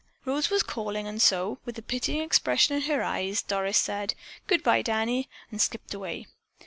Rose was calling and so, with a pitying expression in her eyes, Doris said, "Good bye, Danny," and skipped away.